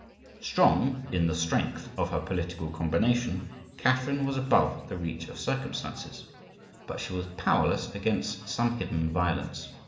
Strong in the strength of her political combination, Catherine was above the reach of circumstances; but she was powerless against some hidden violence.